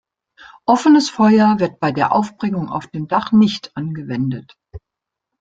Offenes Feuer wird bei der Aufbringung auf dem Dach nicht angewendet.